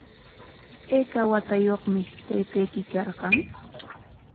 ¿Ayka waakayuqmi taytayki karqan?